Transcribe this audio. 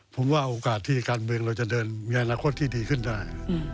ผมว่าโอกาสที่การเมืองเราจะเดินมีอนาคตที่ดีขึ้นได้